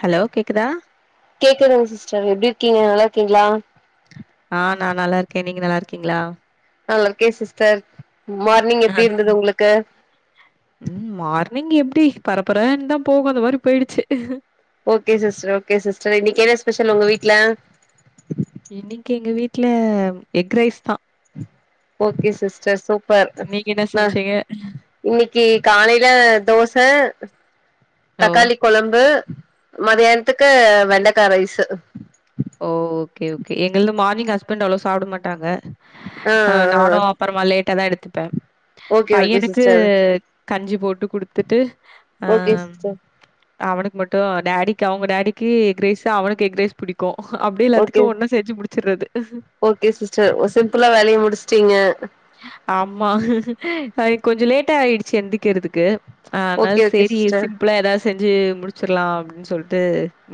Hello கேக்குதா கேக்குதுங் sister எப்படி இருக்கீங்க நல்லா இருக்கீங்களா ஆ நா நல்லா இருக்கே நீங்க நல்லா இருக்கீங்களா நல்லா இருக்கே சிஸ்டர் மார்னிங் ஆ. எப்படி இருந்தது உங்களுக்கு ம் மார்னிங் எப்படி பரப்பறன் தா போகு அந்த மாரி போயிடுச்சு ஓகே சிஸ்டர் ஓகே சிஸ்டர் இன்னைக்கு என்ன ஸ்பெஷல் உங்க வீட்டு்ல இன்னிக்கு எங்க வீட்டு்ல எக் ரைஸ் தா ஓகே சிஸ்டர் சூப்பர் நீங்க என்ன ந சமைச்சீங்க இன்னிக்கி காலையில தோச ஓ தக்காளி கொழம்பு மதியானத்துக்கு வெண்டைக்கா ரைசு ஓகே ஓகே எங்கள்து மார்னிங் ஹஸ்பண்ட்டு அவ்ளோ சாப்பட மாட்டாங்க ஆ அ ஆ நானு அப்பறமா லேட்டா தா எடுத்துப்ப ஓகே ஓகே பையனுக்கு சிஸ்டர் கஞ்சி போட்டு குடுத்துட்டு அ ஓகே ம் சிஸ்டர் அவனுக்கு மட்டு டேடிக்கு அவங்க டேடிக்கு எக்ரைஸ்ஸா அவனுக்கு எக்ரரைஸ் புடி க்கு அப்படியே எல்லாத்துக்கு ஓகே ஒன்னா செஞ்சு முடுச்சற்றது ஓகே சிஸ்டர் சிம்பிளா வேலைய முடிச்ட்டீங்க ஆமா அ கொஞ்ச லேட்டா ஆயிடுச்சு எந்திக்கிறதுக்கு ஆனா ஓகே ஓகே சரி சிஸ்டர் சிம்பிளா ஏதாச் செஞ்சு முடுச்சிர்லா அப்படின் சொல்ட்டு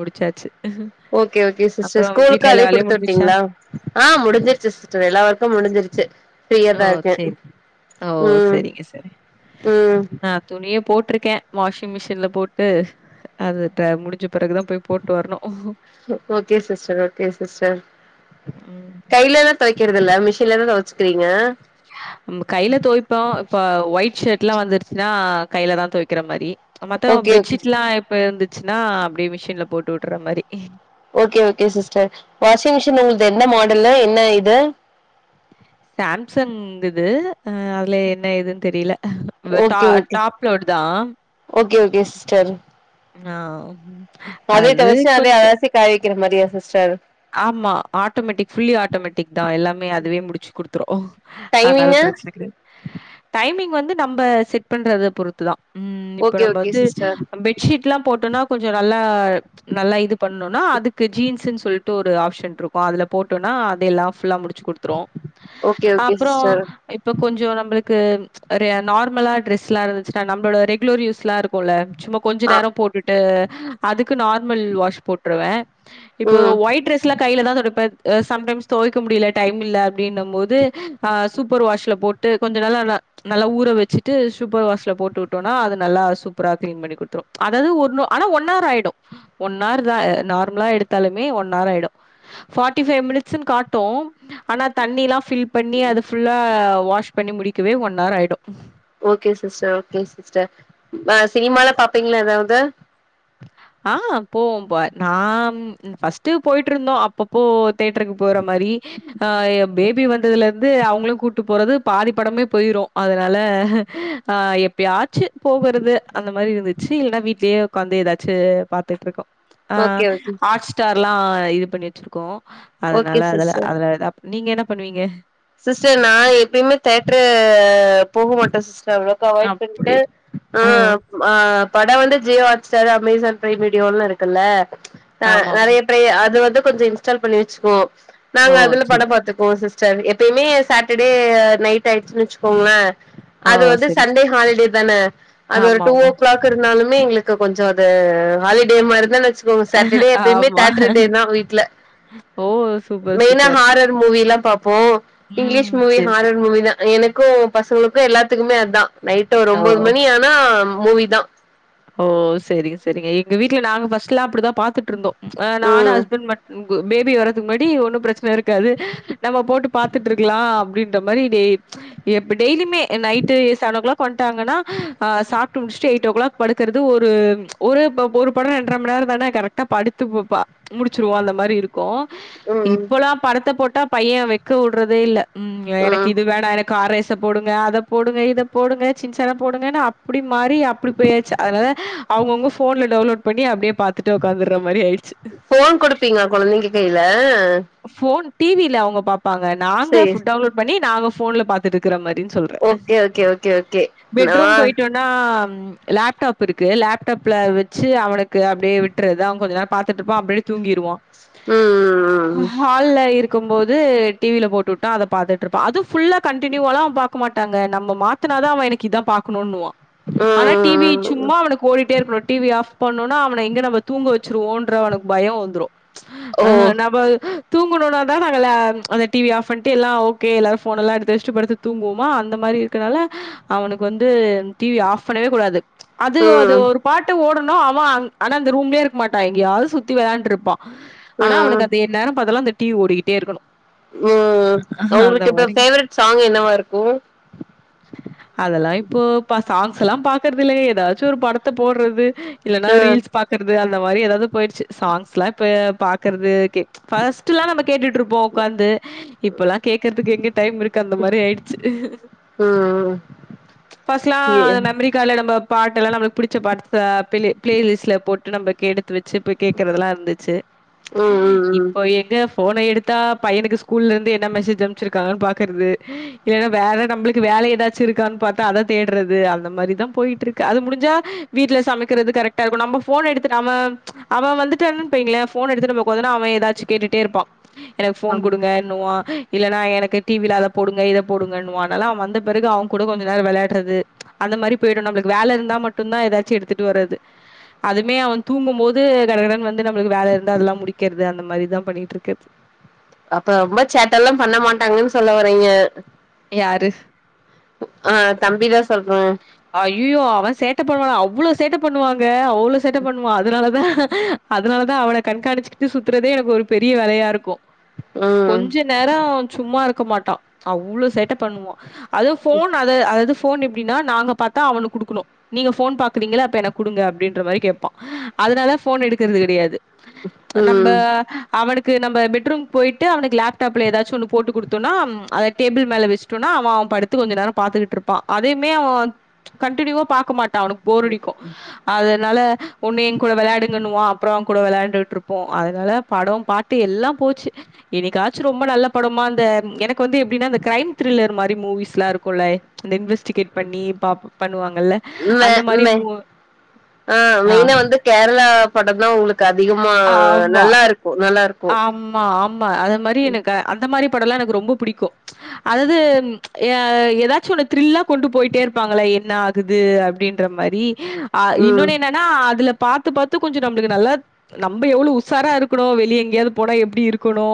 முடிச்சாச்சு ஓகே ஓகே சிஸ்டர் அப்புறம் ஸ்கூலுக்கு வீட்ல எல்லா அதே வேலையும் குடுத்து முடிஞ்சுச்சா? உட்டீங்களா ஆ முடுஞ்சிர்ச்சு சிஸ்டர் எல்லா ஒர்க்கு முடிஞ்சிருச்சு ப்ரியா ஓ! தா இருக்கே சரி. ஓ! ம் சரிங்க, சரி. ம் நான் துணிய போட்ருக்கே வாஷிங் மிஷின்ல போட்டு அது ட முடிஞ்சு பிறகுதா ஓகே சிஸ்டர் ஓகே சிஸ்டர் ம். கைலல துவைக்கிறது இல்ல மிஷின்லத துவச்சுக்கிறீங்க நம்ப கையில துவைப்போ இப்ப ஒயிட் ஷர்ட் எல்லா வந்துருச்சுன்னா கையில தா துவைக்கிற மாரி மத்த ஓகே ஓகே பெட்ஷீட் எல்லா இப்ப இந்துச்சுன்னா அப்படியே மிஷின்ல போட்டு உட்டுற மாரி okay okay sister washing machine உங்ளுது எந்த மாடல்ல என்ன இது சாம்சன்துது அதுல என்ன இதுன் தெரியில வெ டா ஓகே ஓகே டாப்லோடு தா ஓகே ஓகே சிஸ்டர் ஆ அதே அது தொவச்சு அதே கொஞ்ச அலசி காய் வைக்கிற மாரியா சிஸ்டர் ஆமா ஆட்டோமேட்டிக் ஃபுல்லி ஆட்டோமேட்டிக் தா எல்லாமே அதுவே முடுச் குடுத் துரு ஆனால டைமிங்கு பிரச்சனை கிடையாத் டைமிங் வந்து நம்ப செட் பண்றத பொறுத்துதா ம் இப்ப ஓகே நம்ப ஓகே வந்து சிஸ்டர் பெ ட்ஷீட் எல்லா போட்டன்னா கொஞ்ச நல்லா நல்லா இது பண்ணுன்னா அதுக்கு ஜீன்ஸ்சுன்னு சொல்ட்டு ஒரு ஆப்ஷன் இருக்கு அதுல போட்டோனா அதே எல்லா ஃபுல்லா முடுச் குடுத் துரு ஓகே ஓகே அப்புறோ சிஸ்டர் இப்ப கொஞ்சோ நம்பளுக்கு அரே நார்மலா டிரெஸ்லா இருந்துச்சுனா நம்பளு ரெகுலர் யூஸ்ல்லா இருக்கு இல்ல சும்மா கொஞ்ச ஆ நேரோ போட்டுட்டு அதுக்கு நார்மல் வாஷ் போட்டுருவே இப்போ ம் ஒய்ட் டிரஸ் லா கையில தா தொடப்ப சம்டைம்ஸ் தொவைக்க முடியல டைம் இல்ல அப்டின்னும் மோது ஆ சூப்பர் வாஷ்ல போட் டு கொஞ்ச நல்லா நா நல்லா ஊற வெச்சுட்டு சூப்பர் வாஷ்ல போட்டு உட்டோன்னா அது நல்லா சூப்பரா கிளன் பண்ணி கு துரு அதாவது ஒன்னு ஆனா ஒன்னார் ஆயிடு ஒன் ஆர் தா நார்மலா எடுத்தாலுமே ஒன் ஆர் ஆயிடு ஃபாட்டி ஃபைவ் மினிட்ஸ்ன் காட்டு ஆனா தண்ணில்லா ஃபில் பண்ணி அது ஃபுல்லா வாஷ் பண்ணி முடிக்கவே ஒன் ஆர் ஆயிடு ஓகே சிஸ்டர் சிஸ்டர் நா சினிமால பாப்பீங்களா ஏதாவது ஆ போவோபா நா ஃபஸ்ட்டு போயிட்டு இருந்தோ அப்பப்போ தேட்டருக்கு போற மாரி ஆ ஏ பேபி வந்ததுல வந்து அவங்களையு கூட்டு போறது பாதி படமே போயிரு அதுனால ஆ எ எப்பயாச்சு போகுறது அந்த மாரி இருந்துச்சு இல்லன்னா வீடலேயே உக்காந்து ஏதா ச்சு பாத்துட்டு இருக்கோ ஆ ஓகே ஓகே ஹாட் ஸ்டார்ல்லா இது பண்ணி வெச்சுருக்கோ அதனால ஓகே அதுல சிஸ்டர் அதுல எதா நீங்க என்ன பண்ணுவீங்க சிஸ்டர் நா எப்பயுமே தேட்ரு போக மாட்டே சிஸ்டர் அவ்ளோ க அவாய்ட் பண்ட்டு அப்படி ஆ ஆ பட வந்து ஜியோ ஹாட்ஸ்டார் அமேசான் ப்ரைம் வீடியோலா இருக்குல்ல ஆ ஆமாமா. நறைய ட்ரை அது வந்து கொஞ்ச இன்ஸ்டால் பண்ணி வெச்சுக்குவோ ஓ! நாங்க அதுல பட சரி. பாத்துக்குவோ சிஸ்டர் எ ப்பயுமே சாட்டர்டே நைட் ஆயிடுச்சு வெச்சுக்கோங்களே ஓ! அது வந்து சரி, சரி. சண்டே ஹாலிடே தானே அது ஒரு டூ ஆமாமா. ஓ கிளாக் இருந்தாலுமே எங்களு க்கு கொஞ்சோ அது ஹாலிடே மாரிதான் வெச்சுக்கோங்க சாட்டர்டே எப்பயுமே ஆமா. தேட்டர்டே தா வீட்ல ஓ! சூப்பர், மெயினா சூப்பர். ஹாரர் மூவில்லா பாப்போ ம். இங்கிலீஷ் மூவி சரி, சரி. ஹாரர் மூவி தா எனக்கு பசங்களுக்கு எல்லாத்துக்குமே அதா நைட் ஒரு ஓ! ஒம்பது மணி ஆ னா மூவி தா ஓ சரி சரிங்க எங்க வீட்டுல நாங்க ஃபர்ஸ்ட்லா அப்டிதா பாத்துட்ருந்தோ ஆ நானு ம் ஹஸ்பண்ட் மட் பு பேபி வர்றதுக்கு முன்னாடி ஒன்னு பிரச்சன இருக்காது நம்ம போட்டு பாத்துட்டு இருக்குலா அப்டின்ற மாரி டெய் எப்ப டெய்லுமே நைட்டு செவன் ஓ கிளாக் வந்டாங்கன்னா சாப்ட்டு முடிச்ட்டு எயிட் ஓ கிளாக் படுக்கறது ஒரு ஒரு ப ஒரு படோ ரொண்ட்ர மநேர தானே கரெக்டா படுத்து பொ பா முடிச்சிருவோ அந்த மாரி இருக்கு ம் இப்போல்லா படத்த போட்டா பைய வைக்க வுடுறதே இல்ல ம் எனக்கு இது வேண்டா எனக் கார் ரேச போடுங்க அத போடுங்க இத போடுங்க சின்சான போடுங்கன்னு அப்டி மாரி அப்டி அப்டி ஆய்ச்சி அதனால அவங்கவுங்க ஃபோன்ல டவுன்லோட் பண்ணி அப்டியே பாத் த்துட்டு உக்காந்துட்ற மாரி ஆயிடுச்சு ஃபோன் குடுப்பீங்களா கொழந்தைங்க கையில ஃபோன் டி வி ல அவங்க பாப்பாங்க நாங்க சேரி ஃபு டவுன்லோட் பண்ணி நாங்க ஃபோன்ல பாத்துட்டுக்குற மாரி சொல் ஓகே ஓகே ஓகே ஓகே நா நா லேப்டாப் இருக்கு லேப்டாப்ல வெச்சு அவனுக்கு அப்டியே விட்றது அவ கொஞ்ச நே பாத்துட்ருப்பா அப்டியே தூங்கிருவா ம் ம் ம் ஹால்ல இருக்கும் போது டி வி ல போட்டுவுட்டா அத பாத்துட்டு இருப்பா அது ஃபுல்லா கண்டின்யூவாலா பா க்க மாட்டாங்க நம்ம மாத்துனாதா அவ எனக்கு இதா பாக்கணுனுவா ம் ம் ம் அவனுக்கு ஓடிட்டே இருக்கணு டி வி ஆஃப் பண்ணோனா அவன எங்க நம்ம தூங்க வெச்சுருவோன்ற அவனுக்கு பயோ வந்துடு ஓ ஆ நம்ம தூங்கணுனா தா நாங்களா அந்த டி வி ஆஃப் பண்டு எல்லா ஓகே எல்லாரு ஃபோன் எல்லா எடுத்து வெச்ட்டு படுத்து தூங்குவோமா அந்த மாரி இருக்கனால அவனுக்கு வந்து டி வி ஆஃப் பண்ணவே கூடாது அது அது ம் ஒரு பாட்டு ஓடனு அவ ஆனா அந்த ரூம்லயே இருக்க மாட்டா எங்கயாது சுத்தி வெளான்டுருப்பா ஆனா ம் அவனுக்கு அது என் நேர பாத்தாலு அந்த டி வி ஓடிக்கிட்டே இருக்கணு ம் அவங்களுக்கு இப்ப ஃபேவரட் சாங்கு என்னவா இருக்கு அதெல்லா இப்போ பா சாங்ஸ் எல்லா பாக்குறது இல்லங்க ஏதாச்சு ஒரு படத்த போட்றது இல்லன்னா ம் ரீல்ஸ் பா க்கற்து அந்த மாரி ஏதாவது போயிடுச்சு சாங்ஸ்ல்லா இப்ப பாக்கறது கே ஃபஸ்ட்ல்லா நம்ம கேட்டுட்ருப்போ உக்காந்து இப்பல்லா கேக்குற்துக்கு எங்க டைம் இருக்கு அந்த மாரி ஆயிடுச்சி ம் ஃபஸ்லா அந்த ம் ம் மெம்ரி கால்லே நம்ப பாட்டுல்லா நமப்ளுக் புடிச்ச பாட்டு ச பிளே ப்ளே லிஸ்ட்ல போட்டு நம்பக் எடுத்து வெச் சு இப்ப கேக்குறதுல்லா இர்ந்துச்சு ம் ம் இப்ப எங்க ஃபோன எடுத்தா பையனுக்கு ஸ்கூல்லருந்து என்ன மெசேஜ் அம்ச்சிருக்காங்கன் பாக்கற்து இல்லனா வேற நம்ப்ளுக்கு வேல எதாச்சு இருக்கான் பாத்து அத தேட்றது அந்த மாரி தா போயிட்ருக்கு அது முடிஞ்சா வீட்ல சமக்கிறது கரெக்டா இருக்கு நம்ம ஃபோன் எடுத்து நம அவ வந்துட்டுடானு பெய்ங்ளே ஃபோன் எடுத்துட்டு நம்ம ஒக்காந்தன அவன் எதாச்சு கேட்டுட்டே இருப்பா எனக்கு ஃபோன் ஆமா குடுங்க னுவா இல்லன்னா எனக்கு டிவில அத போடுங்க இத போடுங்குவா அனால அவ வந்த பெறகு அவங்கூட கொஞ்ச நேர விளாட்றது அந்த மாரி போய்டு நம்ப்ளுக்கு வேல இருந்தா மட்டுந்தா எதாச்சு எடுத்துட்டு வர்றது அதுமே அவ தூங்கும்போது கடகடனு வந்து நம்ளுக்கு வேல இருந்து அதுல்லா முடிக்கெற்து அந்த மாரிதா பண்ணிட்ருக்கற்து அப்ப ரொம்ப சேட்டல்லா பண்ண மாட்டாங்கன் சொல்ல வரீங்க யாரு அ தம்பிதா சொல்றோ ஐயுயோ அவ சேட்ட பண்ணுவானா அவ்ளோ சேட்ட பண்ணுவாங்க அவ்ளோ சேட்ட பண்ணுவா அதனாலதா அதுனால தா அவன கண்காணிச்சிட்டு சுத்துறதே எனக்கு ஒரு பெரிய வேலயா இருக்கு ம் நேரோ சும்மா இருக்க மாட்டா அவ்ளோ சேட்ட பண்ணுவா அது ஃபோன் அத அதது ஃபோன் இப் ப்டினா நாங்க பாத்தா அவனு குடுக்குணு நீங்க ஃபோன் பாக்குறீங்கள அப்ப எனக் குடுங்க அப்டின்ற மாரி கேப்பா அதனால ஃபோன் எடுக்குறது கடையாது நம்ப ம் அவனுக்கு நம்ம பெட்ரூம் போயிட்டு அவனுக்கு லேப்டாப்ல ஏதாச்சு ஒன்னு போட்டு குடுத்தோனா அத டேபிள் மேல வெச் ட்டோனா அவ அவ படித்து கொஞ்ச நேர பாத்துகுட்ருப்பா தயுமே அவ கன்டினியூவா பாக்க மாட்டா அவனுக் போர் அடிக்கு அதனால ஒன்னு ஏ கூட வெள்ளாடுங்கன்ணுவா அப்புற அவ கூட வெளாயாண்டுகுட்ருப்போ அதனால படோ பாட்டு எல்லா போச்சு எனிக்காச்சு ரொம்ப நல்ல படமா இந்த எனக்கு வந்து எப்டினா அந்த கிரைம் த்ரில்லர் மாரி மூவிஸ்ல்லா இருக்குல்ல அந்த இன்வெஸ்டிகேட் பண்ணி பா பண்ணுவாங்கல்ல மே அந்த மாரி ம்மே மூ ஆ மெயினா வந்து கேர்ளா படந்தா உங்ளுக்கு அதிகமா நல்லாருக்கு நல்லாருக்கு ஆம்மா ஆம்மா அத மாரி எனக்கு அந்த மாரி படல்லா எனக்கு ரொம்ப புடிக்கு அதது எ எதாச்சு ஒன்னு த்ரில்லா கொண்டு போயிட்டே இருப்பாங்கள என்னா இகுது அப்டின்றமரி ஆ ம் இன்னொனு என்னனா அதுல பாத்து பாத்து கொஞ்ச நம்ளுக்கு நல்லா நம்ப எவ்ளோ உசாரா இருக்குணு வெளிய எங்யாது போனா எப்டி இருக்கொணு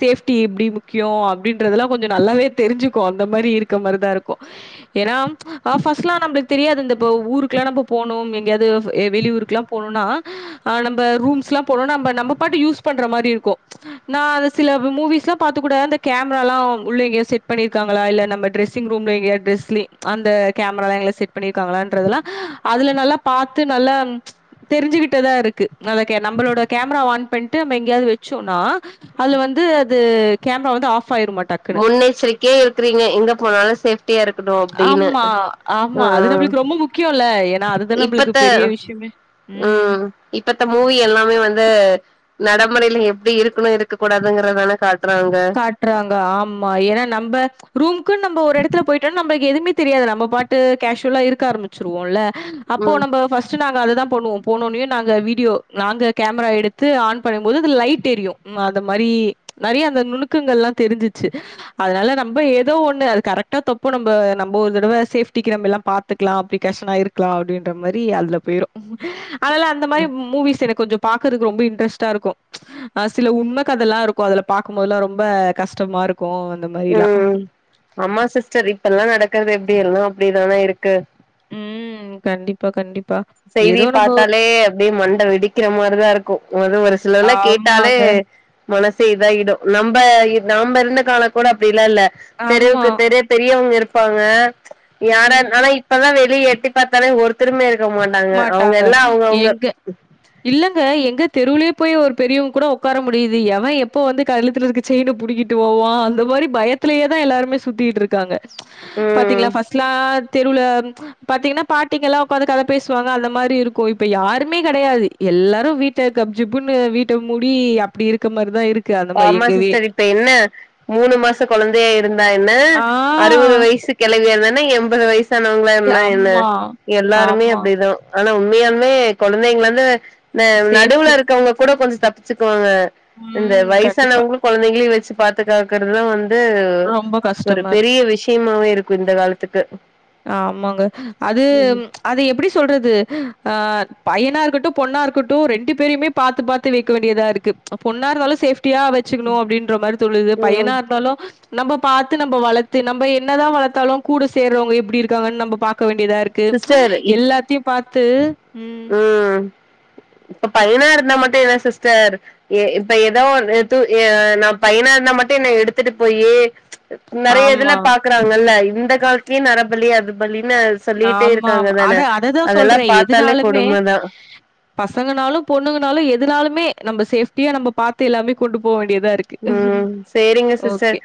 சேஃப்டி எப்டி முக்கியோ அப்டின்றதுல்லா கொஞ்ச நல்லாவே தெரிஞ்சுக்கு அந்த மாரி இருக்க மாரிதா இருக்கு ஏனா அ ஃபர்ஸ்ட்லா நம்ப்ளுக் தெரியாது இந்த ப ஊருக்லா நம்ப போனோம் எங்யாது எ வெளி ஊர்க்லா போனுனா அ நம்ப ரூம்ஸ்லா போனோனா நம்ப நம்ப பாட்டு யூஸ் பண்ற மாரி இருக்கு நா அத சில மூவிஸ்லா பாத்துக்கூட அந்த கேம்ரால உள்ள இங்யாது செட் பண்ணிருக்காங்களா இல்ல நம்ம ட்ரெஸ் சிங் ரூம்ல எங்யாது ட்ரெஸ்லிங் அந்த கேம்ராலா எங்ள செட் பண்ணிருக்காங்லான்ற இதுலா அதுல நல்லா பாத்து நல்லா தெரிஞ்சுகிட்டதா இருக்கு அத கே நம்பளோட கேம்ரா ஆன் பண்ணி டு நம்ப எங்யாது வெச்சோனா அதுல வந்து அது கேம்ரா வந்து ஆஃப் ஆயிரு மட் முன் எச்ரிக்யா இருக்குறீங்க எங்க போனாலு சேஃப் டியா இருக்குட்டு அப்டினு அ கியோல்ல ஏன்னா அதுதா நம்ப்ளுக்கு பெரிய விஷ்யமே ம் இப்பத்த மூவி எல்லாமே வந்து நட முறைல எப்டி இருக்குணு இருக்க கூடாதுங்குறதான காட்றாங்க காட்றாங்க ஆமா ஏன்னா நம்ப ரூமுக்கு நம்ம ஒரு எடத்துல போயிட்டாலு நம்ப எதுவுமே தெரியாது நம்ம பாட்டு கேஷ்வுலா இருக்க ஆரம்பிச்சுருவோல அப்போ ம் நம்ப ஃபஸ் ட் நாங்க அதுதா பண்ணுவோ போனோனே நாங்க வீடியோ நாங்க கேமரா எடுத்து ஆன் பண்ணுபோது அதுல லைட் எரியு ம் அத மாரி நெறைய அந்த நுணுக்கங்கள்லா தெரிஞ்சுச்சு அதனால நம்ப ஏதோ ஒன்னு அது கரெக்டா தப்போ நம்ப நம்ப ஒரு தடவ சேஃப்டிக்கு நம்ம எல்லா பாத் துக்லா ப்ரிகாஷனா இருக்கலா அப்டின்ற மாரி அதுல போயிரு அதால அந்த மாரி மூ மூவிஸ் எனக் கொஞ்சொ பாக்கறக்கு ரொம்ப இன்ட்ரெஸ்டா இருக்கு அ சில உண்ம கதெல்லா இருக்கு அதுல பாக்கும்போதுல்லா ரொம் ம்ப கஷ்டமாருக்கு அந்த மாரிலா ம் ஆமா சிஸ்டர் இப்பெல்லா நடக்கறது எப்டி எல்லா அப்டிதானே இருக்கு ம் கண்டிப் பா கண்டிப்பா ஏதோ செய்திய நம்போ பாத்தாலே அப்டியே மண்ட வெடிக்கிற மாரிதா இருக்கு அது ஒரு சிலவுலா கேட்டாலே ஆமாங்க மனசு இதாயிடும் நம்ப இ நம்ப இருந்த கால கூட அப்டில்லா இல்ல ஆமா தெருவுக்கு தெரு பெரியவங்க இருப்பாங்க யாரா ம் இந் ஆனா இப்பதா வெளியே எட்டி பாத்தாலே ஒருத்தருமே இரு க்க மாட்டாங்க அவுங்க எல்லா அவுங்கவுங்க எங்க இல்லங்க எங்க தெருவுலே போய் ஒரு பெரியவங்க கூட உக்கார முடியுது எவெ எப்போ வந்து கழுத்துல்ருக்கு செயின புடிங்கிட்டு போவா அந்த மாரி பயத்துலேதா எல்லாருமே சுத்திட்டுருக் காங்க ம் பாத்தீங்களா ஃபஸ்ட்லா தெருல பாத்தீங்கன்னா பாட்டிங்கெல்லா உக்காந்து கத பேசுவாங்க அந்த மாரி இருக்கு இப்ப யாருமே கெடையாது எல்லாரு வீட்ட கப்ஜிப்புன்னு வீட்ட முடி அப் அப்டிருக்க மாரிதா இருக் ஆமா சிஸ்டர் இப்ப என்ன மூணு மாச கொழந்தையா இருந்தா என்ன ஆ அறுவது வயசு கெழவியா இருந்தானா எம்பது வயசானவங்களா இருந்தா என்ன ஆமா, எல்லாருமே அ ஆமா ப்டிதா ஆனா உண்மையாலுமே கொழந்தைங்லந்து ந நடுவுல சேஃப்டி இருக்கவங்க கூட கொஞ்சொ தப்பு ச்சுக்குவாங்க இந்த ம் கண்டிப்பா த்தவங்களும் கொழந்தைங்களையு வச்சு பாத்துகக்கறதா வந்து ரொம்ப ஒரு கஷ்டமா இருக்கு. பெரிய விஷயமாவே இருக் கு இந்த காலத்துக்கு ஆமாங்க அது ம் அது எப்டி சொல்றது ஆ பையனா இருக்கட்டும் பொண்ணா இருக்கட்டும் ரெண்டு பேரைமே பாத்து பாத்து வைக்க வேண்டியதா இருக்கு அ பொண்ணா இருந்தாலு சேஃப்டியா வச் சுக்கணு அப்டின்ற மாரி தோணுது ம் பையனா இருந்தாலு நம்ப பாத்து நம்ப வளத்து நம்ப என்னதா வளர்த்தாலு கூட சேர்றவங்க எப்டி இருக்காங்கன்னு நம்ப பாக்க வேண்டியதாருக் கு சிஸ்டர் இப் எல்லாத்தையு பாத்து ம் ம் இப்ப பையனா இருந்தா மட்டு என்ன சிஸ்டர் எ இப்ப எதோ ஒருது எ நா பையனா இருந்தா மட்டு என்ன எடுத்துட்டு போயி நெறைய இதுல ஆமா. பாக்குறாங்கல்ல இந்த காலத்துலயு நரபலி அது பலின்னு சொல்லிட்டே இருக்காங்க தானே அதெல்லா பாத்தாலே மே கொடுமதா பசங்கனாலு பொண்ணுங்கனாலு எதுனாலுமே நம்ப சேஃப்டியா நம்ப பாத்து எல்லாமே கொண்டு போ வேண்டியதாருக் ம் சேரிங்க சிஸ்டர்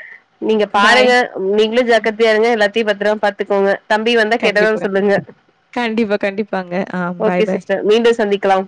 நீங்க பாய். பாருங்க நீங்களு ம். ஜக்கிரதையா இருங்க எல்லாத்தையு பத்ரமா பாத்துக்கோங்க தம்பி வந்தா கேட்டதா கண்டிப்பா. சொல்லுங்கே கண்டிப்பா, கண்டிப்பாங்க. ஆ பாய், ஓகே பாய். சிஸ்டர் மீண்டும் சந்திக்கலாம்